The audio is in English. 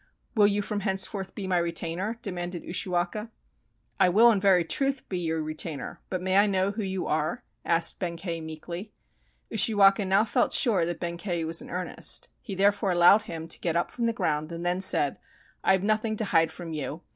"Will you from henceforth be my retainer?" de manded Ushiwaka. "I will in very truth be your retainer, but may I know who you are?" asked Benkei meekly. Ushiwaka now felt sure that Benkei was in earnest. He therefore allowed him to get up from the ground, and then said: "I have nothing to hide from you.